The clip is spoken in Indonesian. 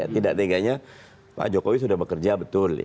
tidak teganya pak jokowi sudah bekerja betul